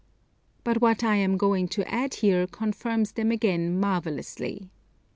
But what I am going to add here confirms them again marvellously.